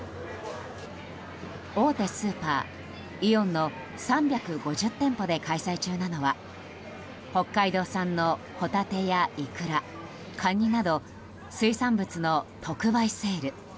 大手スーパー、イオンの３５０店舗で開催中なのは北海道産のホタテやイクラ、カニなど水産物の特売セール。